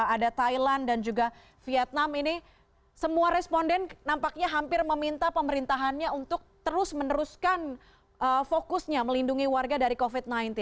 ada thailand dan juga vietnam ini semua responden nampaknya hampir meminta pemerintahannya untuk terus meneruskan fokusnya melindungi warga dari covid sembilan belas